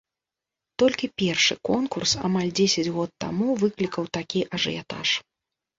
Толькі першы конкурс, амаль дзесяць год таму, выклікаў такі ажыятаж.